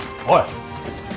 おい。